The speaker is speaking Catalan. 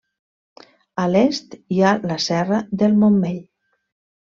A l'est hi ha la serra del Montmell.